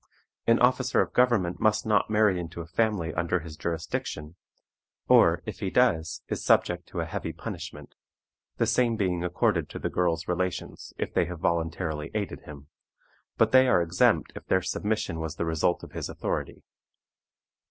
An officer of government must not marry into a family under his jurisdiction, or, if he does, is subject to a heavy punishment; the same being accorded to the girl's relations if they have voluntarily aided him, but they are exempt if their submission was the result of his authority.